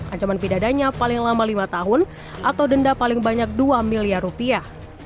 ancaman pidananya paling lama lima tahun atau denda paling banyak dua miliar rupiah